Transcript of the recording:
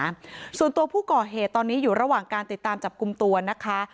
ส่วนตัวผู้ก่อเหตุตอนนี้อยู่ระหว่างการติดตามจับกลุ่มตัวนะคะ